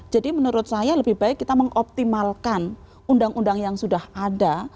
jadi menurut saya lebih baik kita mengoptimalkan undang undang yang sudah ada